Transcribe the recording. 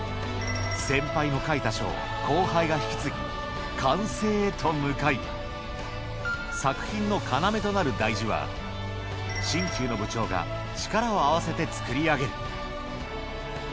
先輩の書いた書を後輩が引き継ぎ、完成へと向かい、作品の要となる大字は、新旧の部長が力を合わせて作り上げる。